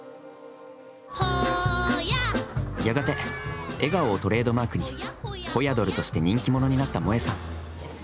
やがて、笑顔をトレードマークにほやドルとして人気者になった萌江さん。